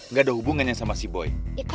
gak ada hubungannya sama si boy